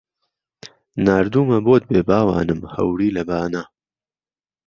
ناردوومە بۆت بێ باوانم هەوری لە بانە